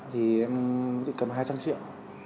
thì em gây cầm hai trăm linh triệu